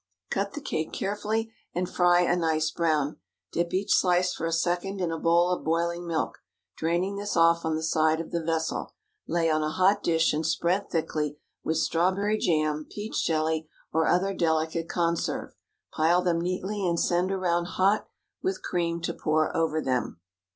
Cut the cake carefully and fry a nice brown. Dip each slice for a second in a bowl of boiling milk, draining this off on the side of the vessel; lay on a hot dish and spread thickly with strawberry jam, peach jelly, or other delicate conserve. Pile them neatly and send around hot, with cream to pour over them.